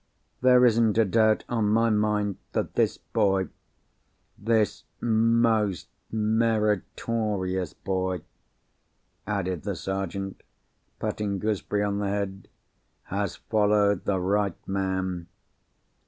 There isn't a doubt on my mind that this boy—this most meritorious boy," added the Sergeant, patting Gooseberry on the head, "has followed the right man.